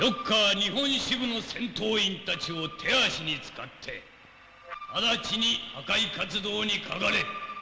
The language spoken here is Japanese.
日本支部の戦闘員たちを手足に使って直ちに破壊活動にかかれ。